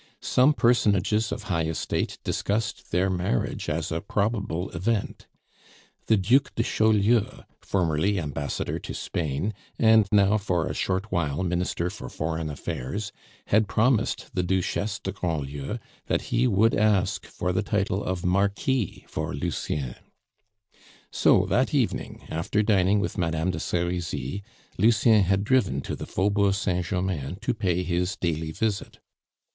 Some personages of high estate discussed their marriage as a probable event. The Duc de Chaulieu, formerly Ambassador to Spain, and now for a short while Minister for Foreign Affairs, had promised the Duchesse de Grandlieu that he would ask for the title of Marquis for Lucien. So that evening, after dining with Madame de Serizy, Lucien had driven to the Faubourg Saint Germain to pay his daily visit.